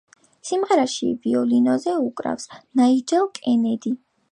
სიმღერაში ვიოლინოზე უკრავს ნაიჯელ კენედი.